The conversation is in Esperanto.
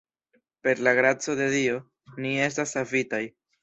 Per la graco de Dio, ni estas savitaj.